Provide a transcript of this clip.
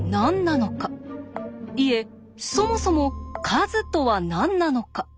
いえそもそも「数」とは何なのか？